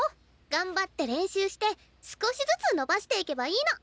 頑張って練習して少しずつ伸ばしていけばいいの。